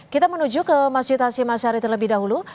kita menuju ke masjid hashim ashari terlebih dahulu